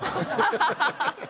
ハハハハッ！